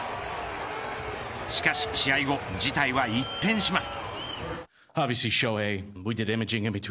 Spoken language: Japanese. しかし試合後事態は一変します。